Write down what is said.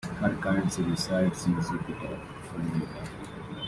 He currently resides in Jupiter, Florida.